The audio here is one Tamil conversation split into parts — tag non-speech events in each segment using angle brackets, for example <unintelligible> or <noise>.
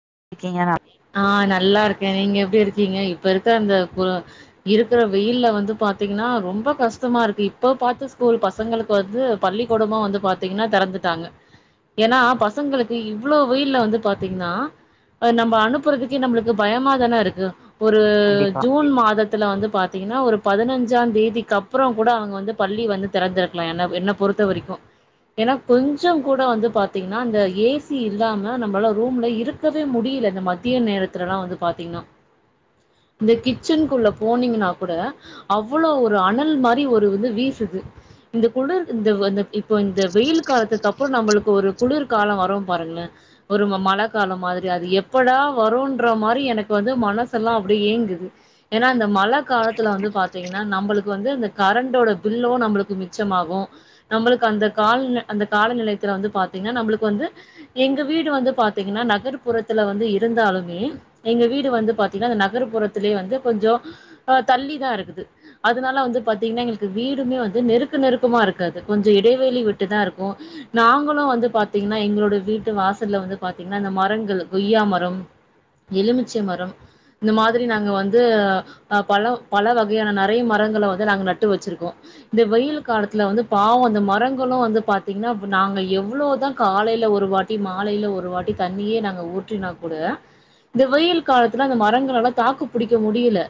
<unintelligible> ஆஹ் நல்லா இருக்கே நீங்க எப்டி இருக்கீங்க இப்ப இருக்கற அந்த குள இருக்கிற வெயில்ல வந்து பாத்தீங்னா ரொம்ப கஷ்டமா இருக்கு இப்ப பாத்து ஸ்கூல் பசங்களுக்கு வந்து பள்ளிக்கூடமாவந்து பாத்தீங்னா தெறந்துட்டாங்க ஏன்னா ஹா பசங்களுக்கு இவ்ளோ வெயில்லவந்து பாத்தீங்னா நம்ம அனுப் அனுப்றதுக்கு நம்ளுக்கு பயமா தானே இருக்கு ஒரு கண்டிப்பா ஜூன் மாதத்துல வந்து பாத்தீங்கன்னா ஒரு பதினஞ்சாந்தேதிக்கு அப்புறம் கூட அவங்கவந்து பள்ளி வந்து தெறந்திருக்கலாம் என்ன என்ன பொறுத்தவரிக்கும் ஏன்னா கொஞ்சம் கூட வந்து பாத்தீங்கனா இந்த ஏ சி இல்லாம நம்மளால ரூம்ல இருக்கவேமுடியல இந்தமா மதிய நேரத்துலலாம்‌ வந்து பாத்தீங்னா இந்த கிச்சன்குள்ள போனீங்கன்னா கூட அவ்ளோ ஒரு அனல் மாரி ஒரு இது வீசுது இந்தகுளிர் இந்த இப்ப இந்த வெயில் காலத்துக்கப்புறம் நம்மளுக்கு ஒரு குளிர்காலம் வரும் பாருங்களேன் ஒரு மழகாலம் மாதிரி அது எப்படா வருன்றமாரி எனக்குவந்து மனசெல்லாம் அப்டியேங்குது ஏன்னா இந்த மழகாலத்துல வந்து பாத்தீங்னா நம்மளுக்கு இதுவந்து இந்த கரன்டோட பில்லும் நம்மளுக்கு மிச்சமாகும். நம்மளுக்கு அந்தகால்ல அந்தகால நிலையத்துல வந்து பாத்தீங்கனா நம்ளுக்குவந்து எங்க வீடு வந்து பாத்தீங்னா நகர்பபுறத்துலவந்து இருந்தாலுமே எங்க வீடு வந்து பாத்தீனா இந்த நகர்ப்புறத்திலே வந்து கொஞ்சம் தள்ளிதான் இருக்குது. அதுனால வந்து பாத்தீங்னா எங்களுக்கு வீடுமே வந்து நெருக்க நெருக்கமா இருக்காது கொஞ்சம் இடைவெளி விட்டுதான் இருக்கும் நாங்களும் வந்து பாத்தீங்னா எங்களோட வீட்டு வாசல வந்து பாத்தீங்னா இந்த மரங்களும் கொய்யாமர மரம் எலுமிச்சை மரம் இந்த மாதிரி நாங்க வந்து பல பலவகையான நெறைய மரங்கள வந்து நாங்க நட்டுவச்சிருக்கோம் இந்த வெயில் காலத்துல வந்து பாவம் அந்த மரங்களும் வந்து பாத்தீங்ன்னா நாங்க எவ்ளவுதான் காலைல ஒருவாட்டி மாலையில ஒருவாட்டி தண்ணியே நாங்க ஊற்றினா கூட இந்த வெயில் காலத்துல அந்த மரங்கள்லால தாக்கு புடிக்கமுடியல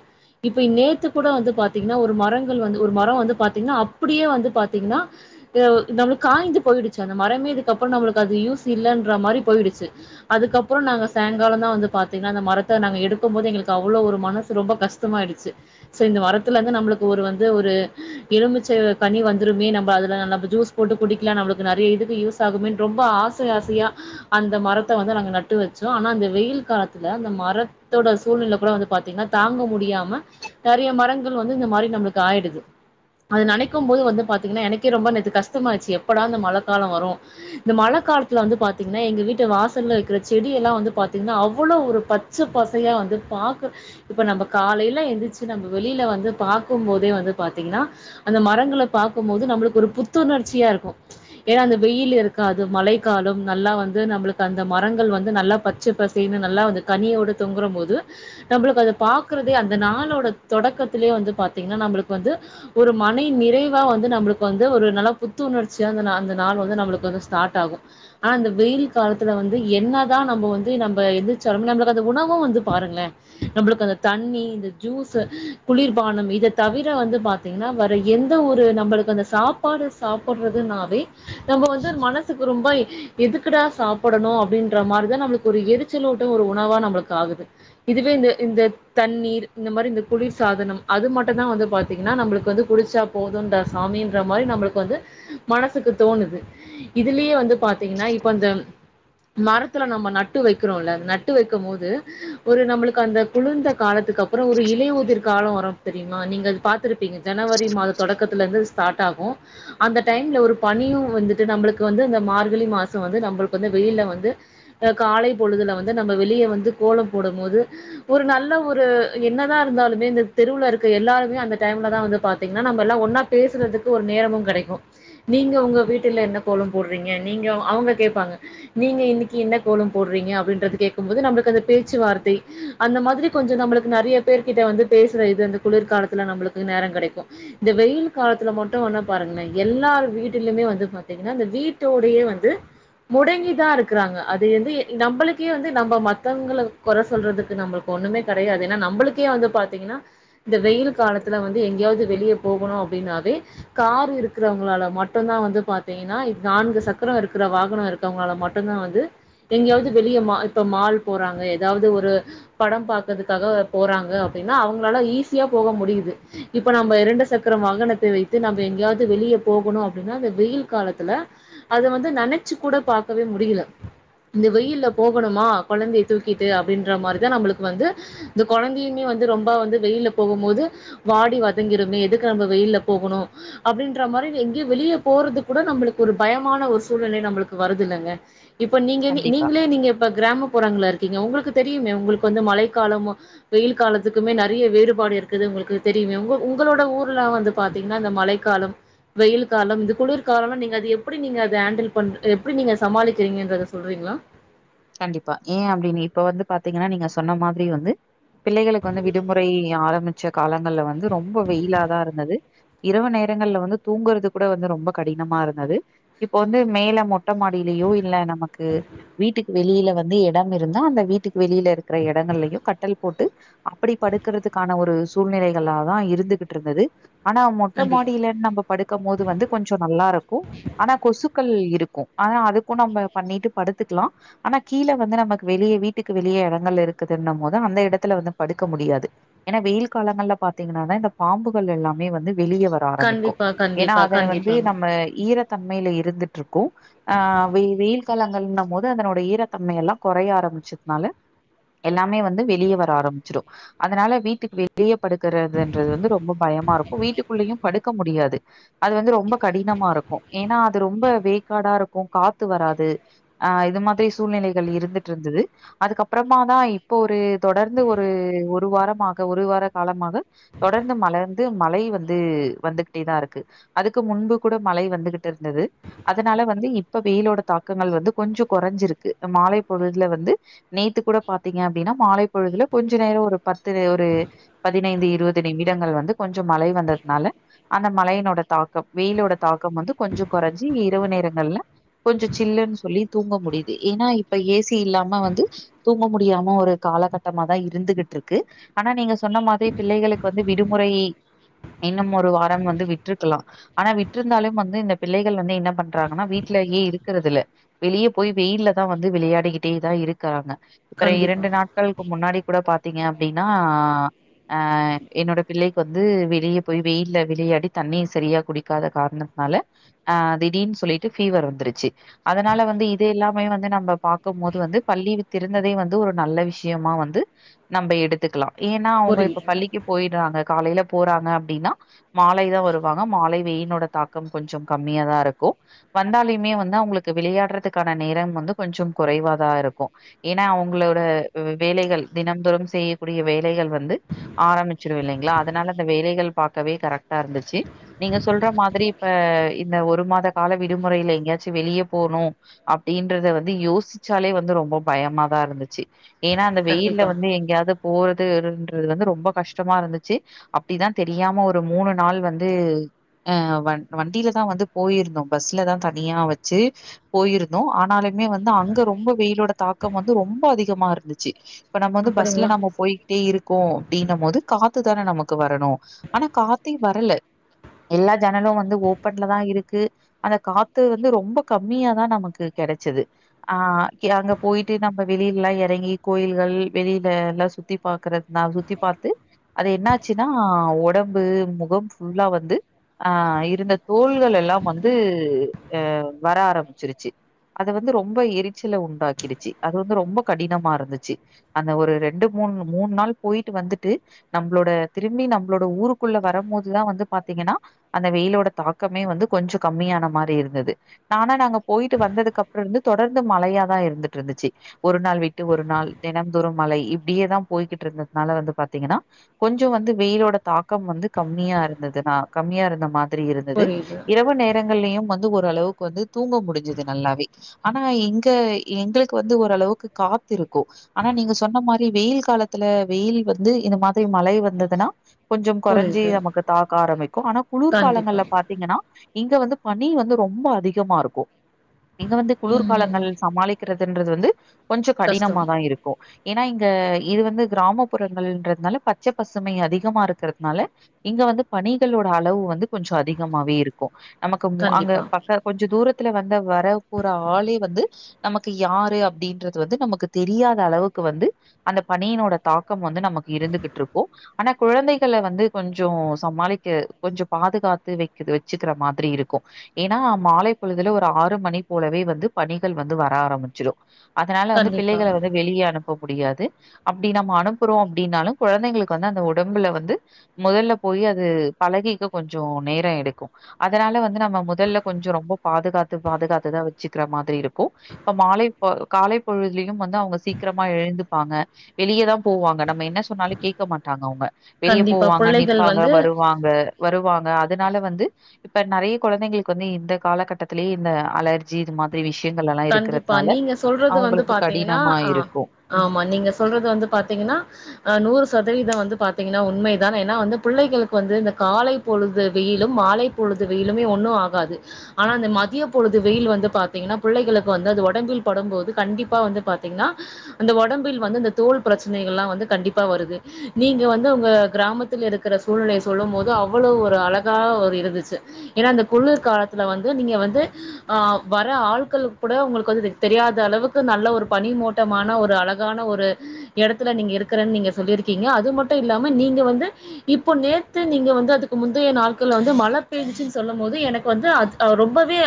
இப்ப நேத்து கூட வந்து பாத்தீங்ன்னா ஒரு மரங்கள் வந்து ஒரு மரம் வந்து பாத்தீங்கன்னா அப்படியே வந்து பாத்தீங்கன்னா நம்மளுக்கு காய்ந்து போயிடுச்சு அந்த மரமே இதுக்கப்புறம் நம்மலுக்கு அது யூஸ் இல்லன்ற மாரி போயிடுச்சு அதுக்கப்புறம் நாங்க சாயங்காலந்தான் வந்து பாத்தீங்கன்னா அந்த மரத்த நாங்கள் எடுக்கும் போதே எங்களுக்கு அவ்ளோ ஒரு மனசு ரொம்ப கஷ்டமாயிடுச்சு செர் இந்த மரத்துலருந்து நம்மளுக்கு ஒரு வந்து ஒரு எலுமிச்ச கனிவந்துருமே நம்ம அதுல நம்ம ஜூஸ் போட்டு குடிக்கலாம் நம்மளுக்கு நெறைய இதுக்கு யூஸ் ஆகுமே ரொம்ப ஆசை ஆசையாக அந்த மரத்த வந்து நாங்க நட்டு வச்சோம் ஆக்சுவலா ஆன இந்த வெயில் காலத்துல அந்த மரத்தோட சூழ்நிலைகூட வந்து பாத்தீங்கன்னா தாங்க முடியாம நெறைய மரங்கள் வந்து இந்த மாரி நம்மளுக்கு ஆயிடுது அது நெனைக்கும் போது வந்து பாத்தீங்கன்னா எனக்கே ரொம்ப நேத்து கஷ்டமாயிடுச்சு எப்படா அந்த மழ காலம் வரும் இந்த மழ காலத்துல வந்து பாத்தீங்கன்னா எங்க வீட்டு வாசல்ல வைக்கிற செடி செடி எல்லாம் வந்து பாத்தீங்கன்னா அவ்ளோ ஒரு பச்ச பசையா வந்து பாக்ற இப்ப நம்ம காலைல எந்திரிச்சு நம்ம வெளியில வந்து பாக்கும் போதே வந்து பாத்தீங்கன்னா அந்த மரங்கள பாக்கும்போது நம்மளுக்கு ஒரு புத்துணர்ச்சியா இருக்கும் ஏன்னா அந்த வெயில் இருக்காது மழை காலம் நல்லா வந்து நம்மளுக்கு அந்த மரங்கள் வந்து நல்லா பச்ச பசேருன்னு நல்லா வந்து கனியோட தொங்கரபோது நம்லுக்கத பாக்குறதே அந்த நாளோட தொடக்கத்துலே வந்து பாத்தீங்ன்னா நம்மளுக்கு வந்து ஒரு மனை நிறைவா வந்து நம்ளுக்கு வந்து ஒரு நல்லா புத்துணர்ச்சியா அந்தநாள் அந்தநாள் வந்து நம்மளுக்கு வந்து ஸ்டார்ட் ஆகும் ஆனா அந்த வெயில் காலத்துல வந்து என்ன இதா நம்மவந்து நம்ம <unintelligible> உணவும் வந்து பாருங்களேள் நம்மளுக்கு அந்த தண்ணி இந்த ஜூஸ்சு குளிர்பானம் இததவிர வந்து பாத்தீங்கன்னா வர எந்த ஒரு நம்மளுக்கு அந்த சாப்பாடு சாப்படுறதுனாவே நம்ம வந்து மனசுக்கு ரொம்ப எதுக்குடா சாப்படணும் அப்டின் இருக்குறமாரி தான் நம்மளுக்கு ஒரு எரிச்சலோட்ட ஒரு உணவா நம்மளுக்கு ஆகுது. இதுவே இந்த இந்த தண்ணீர் இந்த மாரி இந்த குளிர்சாதனம் அது மட்டும்தான் வந்து பாத்தீங்கன்னா நம்மளுக்கு வந்து குடிச்சாபோதுன்டா சாமியின்றமாரி நம்மளுக்கு வந்து மனசுக்கு தோணுது இதுலயே வந்து பாத்தீங்கன்னா இப்ப அந்தம் மரத்துல நம்ம நட்டு வைக்கிறோல நட்டு வைக்கும் போது ஒரு நம்மளுக்கு அந்த குலுந்த காலத்துக்கு அப்புறம் ஒரு இலையுதிர் காலம் வரும் தெரியுமா நீங்க அது பாத்திருப்பீங்க ஜனவரி மாத தொடக்கத்துல இருந்து ஸ்டார்ட் ஆகும் அந்த டைம்ல ஒரு பனியும் வந்துட்டு நம்மளுக்கு வந்து அந்த மார்கழி மாசம் வந்து நம்மளுக்கு வந்து வெளில வந் து காலை பொழுதுல வந்து நம்ம வெளிய வந்து கோலம் போடும்போது ஒரு நல்ல ஒரு என்னதான் இருந்தாலுமே இந்த தெருவுல இருக்க எல்லாருமே அந்த டைம்ல தான் வந்து பாத்தீங்கன்னா நம்ம எல்லாம் ஒன்னா பேசுறதுக்கு ஒரு நேரமும் கெடைக்கும். நீங்க உங்க வீட்டுல என்ன கோலம் போடுறீங்க நீங்க அவுங்க கேப்பாங்க நீங்க இ இன்னைக்கு என்ன கோலம் போடுறீங்க அப்படிங்கறத கேட்கும்போது நம்மளுக்கு அந்த பேச்சுவார்த்தை, அந்த மாரி கொஞ்சம் நம்மளுக்கு நெறைய பேர்கிட்ட வந்து பேசுற இது இந்த குளிர் காலத்துல நம்மளுக்கு நேரம் கெடைக்கும் இந்த வெயில் காலத்துல மட்டும் வேணா பாருங்களேன் எல்லார் வீட்டிலுமே வந்து பாத்தீங்கன்னா இந்த வீட்டோடயே வந்து முடங்கித்தான் இரு க்கறாங்க அத வந்து நம்மளுக்கே வந்து நம்ம மத்தவங்கள கொற சொல்றதுக்கு நம்மளுக்கு ஒண்ணுமே கெடையாது ஏன்னா நம்மளுக்கே வந்து பாத்தீங்கன்னா இந்த வெயில் காலத்துல வந்து எங்கேயாவ்து வெளியே போகணு அப்டின்னாவே கார் இருக்கிறவங்களால மட்டும்தா வந்து பாத்தீங்கன்னா இந்த நான்கு சக்கரம் இருக்கிற வாகனம் இருக்கிறவங்களால ம ட்டுதா வந்து எங்கியாவது வெளியே மா இப்ப மால் போறாங்க ஏதாவ்து ஒரு படம் பாக்கிறதுக்காக போறாங்க அப்டின்னா அவுங்களால ஈஸியா போக முடியுது இப்ப நம்ம இரண்டு சக்கர வாகனத்த வைத்து நம்ம எங்கேயாவது வெளியே போகணு அப்டின்னா இந்த வெய்யில் காலத்துல அது வந்து நெனைச்சு கூட பாக்கவே மு டியில இந்த வெய்யில்ல போகணுமா கொழந்தைய தூக்கிட்டு அப்டின்ற மாரிதா நம்மளுக்கு வந்து இந்த கொழந்தையுமே வந்து ரொம்ப வந்து வெய்யில்ல போகும்போது வாடி வதங்கிருமே எதுக்கு நம்ம வெய்யில்ல போகணு அப்டின்ற மாரி எங்கேயு வெளிய போறதுக்கூட நம்மளுக்கு ஒரு பயமான ஒரு சூழ்நெலை நம்மளுக்கு வருது இல்லங்க இப்போ நீங்க நீ கண்டிப்பா நீங்களே நீங்க இப்ப கிராமப்புறங்கள்ல இருக் க்கீங்க உங்களுக்கு தெரியுமே உங்களுக்கு வந்து மழைக்கால வெய்யிலு காலத்துக்குமே நெறைய வேறுபாடு இருக்குது உங்களுக்கு தெரியுமே உங்க உங்களோட ஊருல வந்து பாத்தீங்கன்னா இந்த மழைக்கால வெயில் காலம் இந்த குளுர் காலம்லா நீங்க அது எப்டி நீங்க அத ஹேண்டில் பண் எப்டி நீங்க சமாளிக் கிறீங்கங்கறத சொல்றீங்களா கண்டிப்பா ஏன் அப்டின்னு இப்ப வந்து பாத்தீங்கன்னா நீங்க சொன்ன மாத்ரி வந்து பிள்ளைகளுக்கு வந்து விடுமுறை ஆரம்மி ச்ச காலங்கள்ல வந்து ரொம்ப வெயிலாதா இருந்தது இரவு நேரங்கள்ல வந்து தூங்குறது கூட வந்து ரொம்ப கடினமா இருந்தது இப்ப வந்து மேல மொட்ட மாடியிலயோ இல்ல நமக்கு வீட்டுக் வெளியில வந்து எடம் இருந்தா அந்த வீட்டுக்கு வெளியில இருக்கிற எடங்கள்லையு கட்டில் போட்டு அப்டி படுக்கிறதுக்கான ஒரு சூழ்நெலைகளாதா இருந்துகிட்டு இருந்தது ஆனா மொட்ட கண்டிப்பா மாடியில நம்ம படுக்கும்போது வந்து கொஞ்சோ நல்லா இருக்கு ஆனா கொசு க்க இருக்கு ஆனா அதுக்கு நம்ம பண்ணிட்டு படுத்துக்லா ஆனா கீழ வந்து நமக்கு வெளிய வீட்டுக்கு வெளியே எடங்கள் இருக்குதுன்னும்போது அந்த எடத்துல வந்து படுக்க முடியாது ஏன்னா வெயில் காலங்கள்ல பாத்தீங்ன்னாதா இந்த பாம்புகள் எல்லாமே வந்து வெளிய வர ஆரம்பிக்கு கண்டிப்பா ஏன்னா கண்டிப்பா அத வந்து கண்டிப்பாங்க நம்ம ஈரத் தன்மையில இருந்துட்டு இருக்கு ஆஹ் வெய் வெயில் காலங்கள்னும் போது அதனுடைய ஈ ரத்தன்மை எல்லா கொறைய ஆரம்பிச்சதுனால எல்லாமே வந்து வெளியே வர ஆரம்பிச்சுரு அதனால வீட்டுக்கு வெளிய படுக்குறதுன்றது வந்து ரொம்ப பயமா இருக்கு வீட்டுக்குள்ளயு படுக்க முடியாது அது வந்து ரொம்ப கடினமா இருக்கு ஏன்னா அது ரொம்ப வேக்காடாருக்கு காத்து வராது அ இது மாதிரி சூழ்நிலைகள் இருந்துட்டு இருந்தது அதுக்கப்புறமா தா இப்போ ஒரு தொடர்ந்து ஒரு ஒரு வாரமாக ஒரு வார காலமாக தொடர்ந்து மலர்ந்து மழை வந்து வந்துகிட்டேதா இருக்கு அதுக்கு முன்பு கூட மழை வந்துகிட்டு இருந்தது அதனால வந்து இப்ப வெயிலோட தாக்கங்கள் வந்து கொஞ்சோ குறைஞ்சிரு க்கு மாலை பொழுதுல வந்து நேத்து கூட பாத்தீங்க அப்டின்னா மாலை பொழுதுல கொஞ்ச நேரோ ஒரு பத்து ஒரு பதினைந்து இருபது நிமிடங்கள் வந்து கொஞ்சோ மழை வந்ததுனால அந்த மழையினோட தாக்கம் வெயிலோட தாக்கம் வந்து கொஞ்சோ கொறைஞ்சி இரவு நேரங்கள்ல கொஞ்சோ சில்லுன்னு சொல்லி தூங்க முடியுது ஏன்னா இப்ப ஏசி இல்லாம வந்து தூங்க முடியாம ஒரு காலகட்டமாதா இருந்துகிட்டுருக்கு ஆனா நீங்க சொன்ன மாதிரி பிள்ளைகளுக்கு வந்து விடுமுறை இ இன்னும் ஒரு வாரம் வந்து விட்டுருக்கலா ஆனா விட்டுருந்தாலும் வந்து இந்த பிள்ளைகள் வந்து என்ன பண்றாங்கன்னா வீட்டுலயே இருக்குறதுல்ல வெளியே போய் வெயில்ல தா வந்து விளையாடிக்கிட்டே தா இருக்கறாங்க இப்பற கண்டிப்பா இரண்டு நாட்களுக்கு முன்னாடி கூட பா த்தீங்க அப்டின்னா அ என்னோட பிள்ளைக் கு வந்து வெளியே போய் வெயில்ல விளையாடி தண்ணீர் சரியா குடிக்காத காரணத்னால அ திடீர்னு சொல்லிட்டு ஃபீவர் வந்துருச்சு அதனால வந்து இப் இது எல்லாமே வந்து நம்ப பாக்கும்போது வந்து பள்ளிகள் திறந்ததே வந்து ஒரு நல்ல விஷ்யமா வந்து நம்ப எடுத்துக்கலா ஏன்னா அவுங்க இப்ப புரியுது பள்ளிக்கு போயிர்றாங்க காலையில போறாங்க அப்டின்னா மாலை தா வருவாங்க மாலை வெயில் லோட தாக்கம் கொஞ்சோ கம்மியாக தா இருக்கு வந்தாலையுமே வந்து அவுங்களுக்கு விளையாடுறதுக் க்கான நேரம் வந்து கொஞ்சோ குறைவாதா இருக்கு ஏன்னா அவுங்களோட வேலைகள் தினம்தோறும் செய்யக்கூடிய வேலைகள் வந்து ஆரம்பிச்சிடும் இல்லைங்ளா அதனால அந்த வேலைகள் பாக்கவே கரெக்டா இருந்துச்சு நீங்க சொல்ற மாதிரி இப்ப இந்த ஒரு மாத கால விடுமுறையில எங்கேயாச்சு வெளியே போணு அப்டின்றத வந்து யோசிச்சாலே வந்து ரொம்ப பயமாதா இருந்துச்சு ஏன்னா அந்த வெயில்ல கண்டிப்பா வந்து எங்கேயாவது போறதுன்றது வந்து ரொம்ப கஷ்டமா இருந்துச்சு அப்டிதா தெரியாம ஒரு மூணு நாள் வந்து அ வண் வண்டிலதா வந்து போயிருந்தோ பஸ்லதா தனியா வச்சு போயிரு னோ ஆனாலுமே வந்து அங்க ரொம்ப வெயிலோட தாக்கம் வந்து ரொம்ப அதிகமா இருந்துச்சு இப்ப நம்ம வந்து பஸ்ல அப்படிங்களா நம்ம போயிகிட்டே இரு கோ அப்டின்ன மோது காத்துதான நமக்கு வரணு ஆனா காத்தே வரல எல்லா ஜன்னலு வந்து ஓப்பன்ல தா இருக்கு அந்த காத்து வந்து ரொம்போ கம்மியா தா நமக்கு து கெடச்சது ஆ கி அங்க போயிட்டு நம்ப வெளிலல்லா எறங்கி கோயில்கள் வெளில எல்லா சுத்தி பாக்குறத் நா சுத்தி பாத்து அது என்னாச்சுன்னா ஒடம்பு முகம் ஃபுல்லா வந்து ஆ இருந்த தோள்கள் எல்லா வந்து அ வர ஆரம்பிச்சிருச்சு அது வந்து ரொம்ப எரிச்சல உண்டாக்கிடுச்சு அது வந்து ரொம்ப கடினமாருந்துச்சு அந்த ஒரு ரெண்டு மூணு மூண் நாள் போயிட்டு வந்துட்டு நம்ளோட திரும்பி நம்ளோட ஊருக்குள்ள வரம் போதுதா வந்து பாத்தீங்கன்னா அந்த வெயிலோட தாக்கமே வந்து கொஞ்சொ கம்மியான மாரி இருந்தது நானா நாங்க போயிட்டு வந்ததுக் கப்ற இருந்து தொடர்ந்து மழையா தா இருந்துட்ருந்துச்சு ஒரு நாள் விட்டு ஒரு நாள் தெனம் தோறும் மழை இப்டியேதா போய்கிட்ருந்ததுனால வந்து பாத்தீங்கன்னா கொஞ்சோ வந்து வெயிலோட தாக்கம் வந்து கம்மியா இருந்தது நா கம்மியா இருந்த மா திரி இருந்தது புரியுது இரவு நேரங்கள்லியு வந்து ஓரளவுக் வந்து தூங்க முடுஞ்சது நல்லாவே ஆனா எங்க எங்களுக்கு வந்து ஓரளவுக்கு காத்திருக்கு ஆனா நீங்க சொன்ன மாரி வெயில் காலத்துல வெயில் வந்து இந்த மாதிரி மழை வந்ததுன்னா கொஞ்சம் கொறஞ்சு புரியுது நமக்கு தாக்க ஆரம்மிக்கு ஆனா குளூர் கண்டிப்பா காலங்கள்ல பாத்தீங்கன்னா இங்க வந்து பனி வந்து ரொம்ப அதிகமாருக்கு எங்க வந்து ம் குளூர்காலங்கள் சமாளிக்கிறத் துன்றது வந்து கொஞ்சோ கஷ்டம் கடினமாதா இருக்கு ஏனா இங்க இது வந்து கிராமப்புறங்கள்ன்றதுனால பச்ச பசுமை அதிகமா இருக்கறதுனால இங்க வந்து பனிகளோட அளவு வந்து கொஞ்சோ அதிகமாவே இருக்கு நமக்கு மு அங்க கண்டிப்பா பக்க கொஞ்சொ தூரத் த்துல வந்த வர ஒரு ஆளே வந்து நமக்கு யாரு அப்டீன்றது வந்து நமக்கு தெரியாத அளவுக்கு வந்து அந்த பணியினோட தாக்கம் வந்து நமக்கு இருந்துக்கிட்ருக்கு ஆனா குழந்தைகள வந்து கொஞ்சோ சமாளிக்க கொஞ்சோ பாதுகாத்து வெக்குது வெச்சுக்கிற மாதிரி இருக்கு ஏனா மாலை பொழுதுல ஒரு ஆறு மணி போலவே வந்து பணிகள் வந்து வர ஆரம்பிச்சிரு அதனால வந்து கண்டிப்பா பிள்ளைகள வந்து வெளிய அனுப் போப் முடியாது அப்டி நம்ம அனுப்புறோ அப்டின்னாலு கொழந்தைங்ளுக்கு வந்து அந்த ஒடம்புல வந்து மொதல்ல போயி அது பழகிக்க கொஞ்சோ நேர எடுக்கு அதனால வந்து நம்ம மொதல்ல கொஞ்சோ ரொம்போ பாதுகாத்து பாதுகாத் து தா வச்சுக்கிற மாதிரி இருக்கு இப்ப மாலைப்பொ காலைப்பொழுதுலியு வந்து அவுங்க சீக்ரமா எழுந்துப்பாங்க வெளியதா போவாங்க நம்ம என்ன சொன்னாலு கேக்க மாட்டாங்க அவுங்க வெளிய கண்டிப்பா போவாங்க பிள்ளைகள் நிப்பாங்க வந்து வருவாங்க வருவாங்க அது அதனால வந்து இப்ப நறைய கொழந்தைங்ளுக்கு வந்து இந்த காலகட்டத்திலேயே இந்த அல ஜி இது மாதிரி விஷ் கண்டிப்பா நீங்க சொல்றது வந்து பாத்தீங்கன்னா கடினமா ஆ இருக்கும். ம். ஆமா நீங்க சொல்றது வந்து பாத்தீங்கன்னா ஆ நூறுஸ் சதவீத வந்து பாத்தீங்கன்னா உண்மைதான் ஏனா வந்து புள்ளைகளுக்கு வந்து இந்த காலை பொழுது வெயிலு மாலை பொழுது வெயிலுமே ஒன்னு ஆகாது ஆனா இந்த மதிய பொழுது வெயில் வந்து பாத்தீங்கன்னா புள்ளைகளுக் வந்து அது ஒடம்பில் படும்போது கண்டிப்பா வந்து பாத்தீங்ன்னா அந்த ஒடம்பில் வந்து இந்த தோல் ப்ரச்னைகள்லா வந்து கண்டிப்பா வருது நீங்க வந்து உங்க கிராமத்தில் இருக்குற சூழ்நிலைய சொல்லும் போது அவ்ளோ ஒரு அழகா ஒரு இருந்துச்சு ஏனா அந்த குளிர்காலத்துல வந்து நீங்க வந்து ஆ வர ஆள் கள் கூட உங்களுக்கு வதுது தெரியாத அளவுக்கு நல்ல ஒரு பனிமூட்டமான ஒரு அழகான ஒரு எடத்துல நீங்க இருக்கிறன் நீங்க சொல்லிருக்கீங்க அது மட்டு இல்லாம நீங்க வந்து இப்போ நேத்து நீங்க வந்து அதுக்கு முந்தைய நாள்கள் வந்து மழ பேஞ்ச்சுன் சொல்லும் போது எனக்கு வந்து அத் ரொம்பவே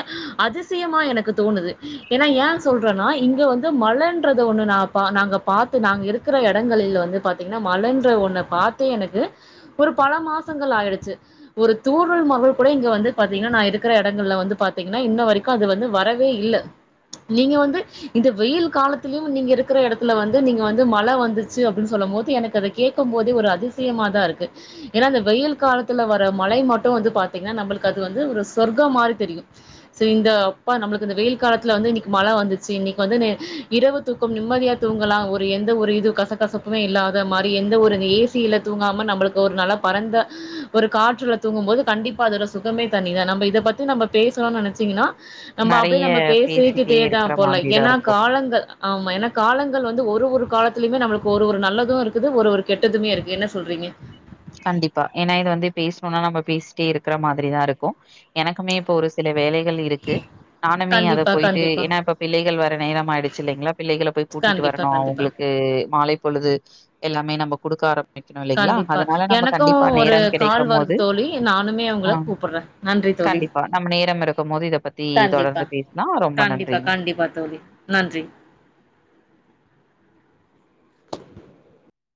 அதிசியமா எனக்கு தோணுது ஏனா ஏ சொல்றன்னா இங்க வந்து மழன்றது ஒன்ன நா பா நாங்க பாத்து நாங்க இருக்கிற எடங்களில் வந்து பாத்தீங்கன்னா மழன்ற ஒன்ன பாத்தே எனக்கு ஒரு பல மாசங்கள் ஆயிடுச்சு ஒரு தூரல் மவள் கூட இங்க வந்து பாத்தீங்கன்னா நா இருக்குற எடங்கள்ல வந்து பாத்தீங்கன்னா இன்ன வரிக்கு அது வந்து வர வே இல்ல நீங்க வந்து இது வெயில் காலத்திலியு நீங்க இருக்கிற இடத்துல வந்து நீங்க வந்து மழ வந்துச்சு அப்டின்னு சொல்லம் போது எனக்கு அத கேக்கும் போதே ஒரு அதிசயமா தா இருக்கு ஏனா அந்த வெயில் காலத்துல வர மழை மட்டு வந்து பாத்தீங்கன்னா நம்பளுக் அது வந்து ஒரு சொர்க்க மாரி தெரியு செய் இந்த அப்பா நம்ளுக் த இந்த வெயில் காலத்துல வந்து இன்னிக்கு மழ வந்துச்சு இன்னிக்கு வந்து நே இரவு தூக்கம் நிம்மதியா தூங்கலா ஒரு எந்த ஒரு இது கசக்கசப்புமே இல்லாத மாரி எந்த ஒரு ஏசியில தூங்காம நம்பளுக்கு ஒரு நல்ல பறந்த ஒரு காற்றுல தூங்கு போது கண்டிப்பா அதோட சுகமே தனி தா நம்ப இத பத்தி நம்ப பேசணுன் நெனச்சீங்னா நம்ம அப்டியே நெறைய நம்ம பேசிக்கு பேசிட்டே தே த இருக்கிற போல மாதிரி தான் ஏனா இருக்கும். காலங்கள் ஆமா ஏன காலங்கள் வந்து ஒரு ஒரு ஒரு காலத்துலியுமே நம்மளுக்கு ஒரு ஒரு நல்லது இருக்குது ஒரு ஒரு கெட்டதுமே இருக்கு என்ன சொல்றீங்க கண்டிப்பா ஏனா இது வந்து பேஸ்ணுனா நம்ப பேஸ்ட்டே இருக்கிற மாதிரிதா இருக்கு எனக்குமே இப்ப ஒரு சில வேலை கள் இருக்கு நானுமே அத கண்டிப்பா போயிட்டு கண்டிப்பா ஏனா இப்ப பிள்ளைகள் வர நேரம் ஆயிடுச்சு இல்லைங்ளா பிள்ளைகள போய் கூட்டிட்டு கண்டிப்பா வரணு கண்டிப்பா அவுங்ளுக்கு மாலைப் பொழுது எல்லாமே நம்ப குடுக்க ஆரம் வெக்கணு இல்லைங்களா ப அதனால நம்ம எனக்கு கண்டிப்பா ஒரூ நேரம் கால் வர்து கிடைக்கும்போது தோழி நானுமே ஆ. உங்கள கூப்புர்றே நன்றி தோழி கண்டிப்பா. நம்ம நேரம் இருக்கும்போது இத பத்தி கண்டிப்பா தொடர்ந்து பேசலாம். ரொம்ப நன்றி. கண்டிப்பா கண்டிப்பா தோழி நன்றி